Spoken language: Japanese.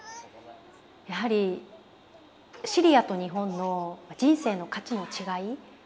やはりシリアと日本の人生の価値の違い。